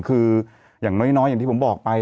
คืออย่างน้อยอย่างที่ผมบอกไป